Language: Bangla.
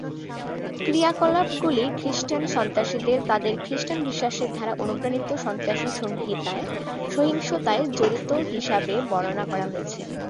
ক্রিয়াকলাপগুলি খ্রিস্টান সন্ত্রাসীদের তাদের খ্রিস্টান বিশ্বাসের দ্বারা অনুপ্রাণিত সন্ত্রাসী সহিংসতায় জড়িত হিসাবে বর্ণনা করা হয়েছে।